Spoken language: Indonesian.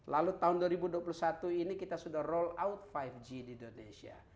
lalu tahun dua ribu dua puluh satu ini kita sudah roll out lima g di indonesia